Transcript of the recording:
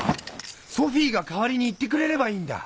ソフィーが代わりに行ってくれればいいんだ！